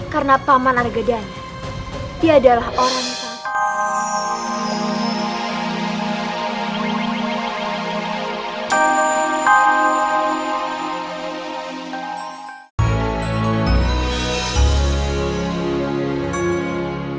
karena paman argadana dia adalah orang yang sangat